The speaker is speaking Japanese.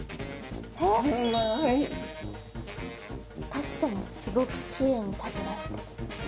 確かにすごくきれいに食べられてる。